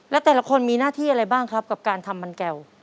แล้วแต่ละคนมีหน้าที่อะไรบ้างครับกับการทำมันแก่ว